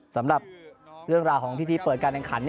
สำหรับเรื่องราวของพิธีเปิดการแข่งขัน